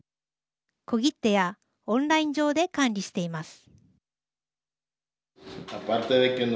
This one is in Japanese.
小切手やオンライン上で管理しています。